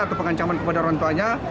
atau pengancaman kepada orang tuanya